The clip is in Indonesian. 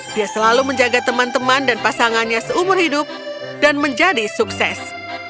dia selalu menjaga teman teman dan pasangannya seumur hidup dan menjadi sukses